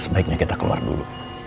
sebaiknya kita keluar dulu